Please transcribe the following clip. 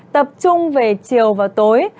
tập trung về chiều và tối